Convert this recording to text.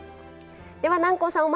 では南光さん